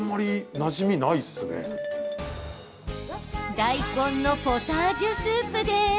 大根のポタージュスープです。